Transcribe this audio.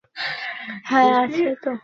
হ্যাঁ, আছে তো।